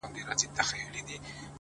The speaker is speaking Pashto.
• د جلادانو له تېغونو بیا د ګور تر کلي,